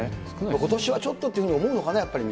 ことしはちょっとというふうに思うのかね、ちょっと。